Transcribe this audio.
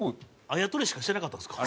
あやとりしかしてなかったんですか？